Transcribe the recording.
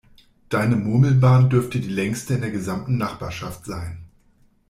Deine Murmelbahn dürfte die längste in der gesamten Nachbarschaft sein.